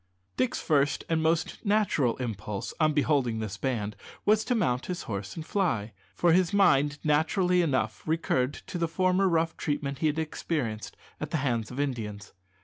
Dick's first and most natural impulse, on beholding this band, was to mount his horse and fly, for his mind naturally enough recurred to the former rough treatment he had experienced at the hands of Indians.